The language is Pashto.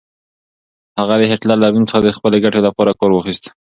هغه د هېټلر له نوم څخه د خپلې ګټې لپاره کار واخيست.